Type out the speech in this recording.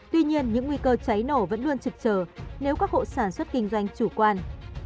tuy nhiên những nguy cơ cháy nổ vẫn luôn trực trở nếu các hộ sản xuất kinh doanh chủ quan